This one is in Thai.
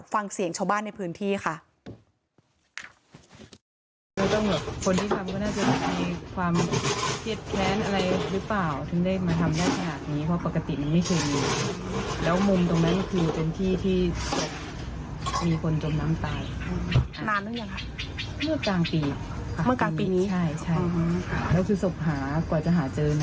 ฟังเสียงชาวบ้านในพื้นที่ค่ะ